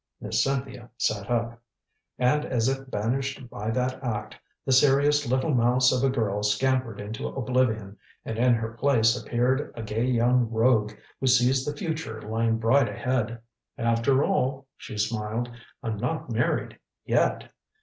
Miss Cynthia sat up. And as if banished by that act, the serious little mouse of a girl scampered into oblivion, and in her place appeared a gay young rogue who sees the future lying bright ahead. "After all," she smiled, "I'm not married yet."